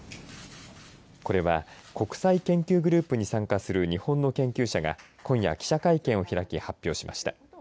これは国際研究グループに参加する日本の研究者が今夜記者会見を開き発表しました。